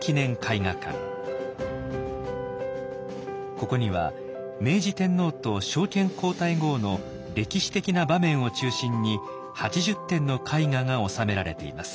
ここには明治天皇と昭憲皇太后の歴史的な場面を中心に８０点の絵画が収められています。